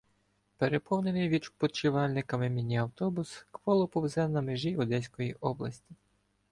Переповнений відпочивальниками міні-автобус кволо повзе на межі Одеської області